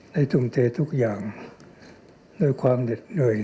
ได้ทุ่มเททุกอย่างด้วยความเหนื่อย